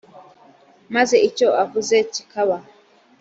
maze icyo avuze kikaba,